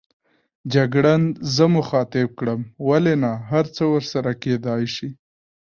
جګړن زه مخاطب کړم: ولې نه، هرڅه ورسره کېدای شي.